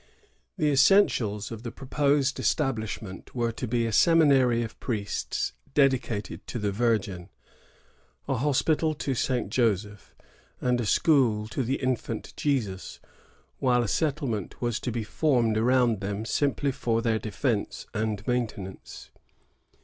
The essen tials of the proposed establishment were to be a semi nary of priests dedicated to the Virgin, a hospital to Saint Joseph, and a school to the Infant Jesus; while a settlement was to be formed around them simply for their defence and maintenance.